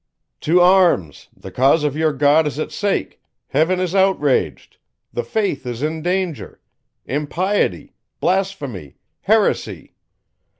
"To arms! the cause of your God is at stake! Heaven is outraged! The faith is in danger! Impiety! blasphemy! heresy!"